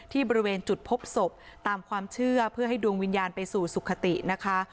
บริเวณจุดพบศพตามความเชื่อเพื่อให้ดวงวิญญาณไปสู่สุขตินะคะ